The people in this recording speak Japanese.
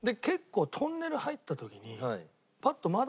結構トンネル入った時にパッと。